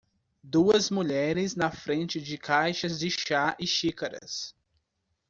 Duas mulheres na frente de caixas de chá e xícaras.